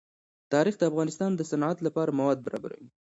تاریخ د افغانستان د صنعت لپاره مواد برابروي.